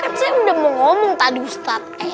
kan saya udah mau ngomong tadi ustadz